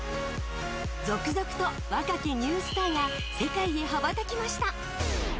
続々と若きニュースターが世界に羽ばたきました。